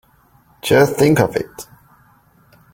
Just think of it!